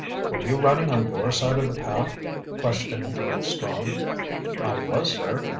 "Were you running on your side of the path?" questioned George Strong. "I was, sir.